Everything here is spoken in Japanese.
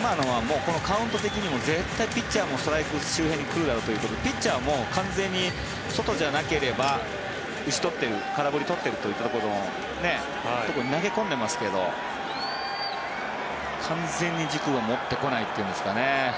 今のはカウント的にも絶対ストライク周辺に来るだろうということでピッチャーも完全にソトじゃなければ打ち取っている、空振りを取っているというところに投げ込んでますけど完全に軸を持ってこないというんですかね。